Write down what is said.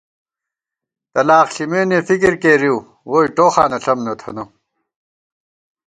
تلاخ ݪِمېنے فِکر کېرِؤ ووئی ٹوخانہ ݪم نہ تھنہ